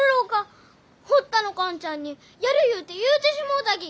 堀田の寛ちゃんにやるゆうて言うてしもうたき！